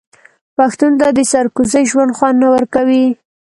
پښتون ته د سرکوزۍ ژوند خوند نه ورکوي.